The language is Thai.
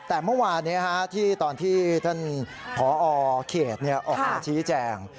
แต่เมื่อวานที่ตอนที่ท่านผอเขตออกมาชี้แจง